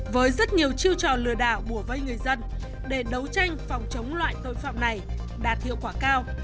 với rất nhiều chiêu trò lừa đảo bùa vây người dân để đấu tranh phòng chống loại tội phạm này đạt hiệu quả cao